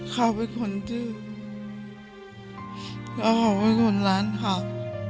เขาเป็นคนดื้อและเขาเป็นคนร้านหัก